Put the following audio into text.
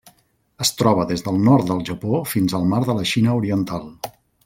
Es troba des del nord del Japó fins al Mar de la Xina Oriental.